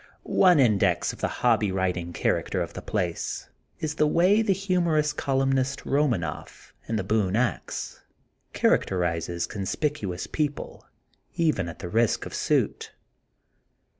One index of the hobby riding character of the place is the way the humorous columnist, Eomanoff, in the Boone Ax characterizes con spicuous people, even at the risk of suit.